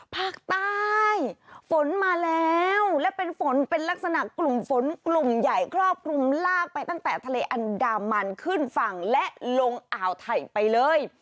ภาคใต้ฝนมาแล้วและเป็นฝนเป็นลักษณะกลุ่มฝนกลุ่มใหญ่ครอบคลุมลากไปตั้งแต่ทะเลอันดามันขึ้นฝั่งและลงอ่าวไทยไปเลย